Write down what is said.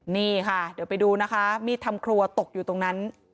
นี่ค่ะเดี๋ยวไปดูนะคะมีดทำครัวตกอยู่ตรงนั้น